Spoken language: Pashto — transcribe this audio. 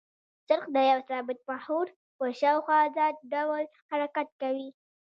څرخ د یوه ثابت محور په شاوخوا ازاد ډول حرکت کوي.